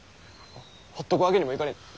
ほっとくわけにもいかねぇ。